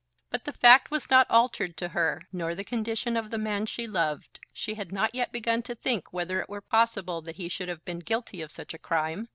But the fact was not altered to her, nor the condition of the man she loved. She had not yet begun to think whether it were possible that he should have been guilty of such a crime.